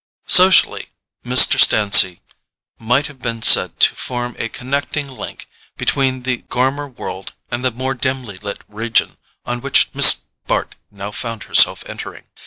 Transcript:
Socially, Mr. Stancy might have been said to form a connecting link between the Gormer world and the more dimly lit region on which Miss Bart now found herself entering.